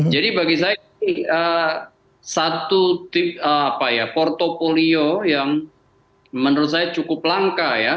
jadi bagi saya satu portfolio yang menurut saya cukup langka